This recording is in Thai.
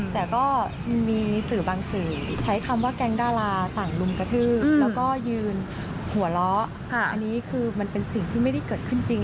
แต่ก็มีสื่อบางสื่อใช้คำว่าแก๊งดาราสั่งลุมกระทืบแล้วก็ยืนหัวเราะอันนี้คือมันเป็นสิ่งที่ไม่ได้เกิดขึ้นจริง